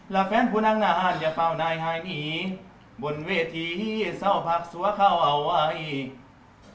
ลาแฟนผู้น้ำงาน